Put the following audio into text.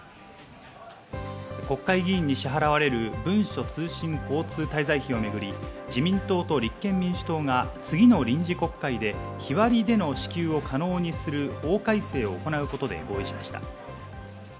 国会議員に支払われる文書通信交通滞在費をめぐり自民党と立憲民主党が次の臨時国会で日割りでの支給を可能にする法改正を行うことで合意しました。